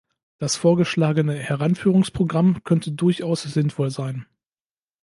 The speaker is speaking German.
Das vorgeschlagene Heranführungsprogramm könnte durchaus sinnvoll sein.